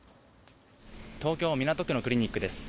東京港区のクリニックです。